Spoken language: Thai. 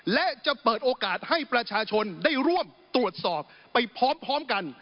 และจะเปิดโอกาสให้ประชาชนได้ร่วมตรวจสอบไปพร้อมกัน